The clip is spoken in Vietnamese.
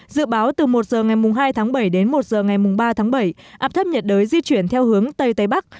dự báo từ một giờ ngày hai tháng bảy đến một giờ ngày ba tháng bảy áp thấp nhiệt đới di chuyển theo hướng tây tây bắc